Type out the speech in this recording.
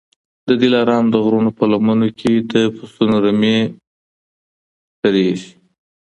د دلارام د غرو په لمنو کي د پسونو رمې څرېږي